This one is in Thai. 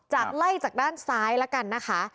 ไล่จากด้านซ้ายแล้วกันนะคะ